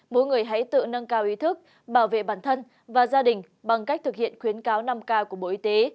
mỗi người hãy tự nâng cao ý thức bảo vệ bản thân và gia đình bằng cách thực hiện khuyến cáo năm k của bộ y tế